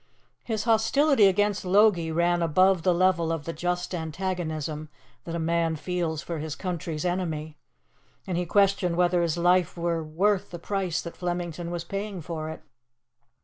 His hostility against Logie ran above the level of the just antagonism that a man feels for his country's enemy, and he questioned whether his life were worth the price that Flemington was paying for it.